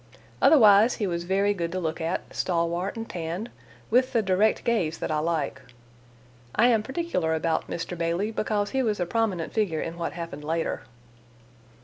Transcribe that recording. Otherwise, he was very good to look at, stalwart and tanned, with the direct gaze that I like. I am particular about Mr. Bailey, because he was a prominent figure in what happened later.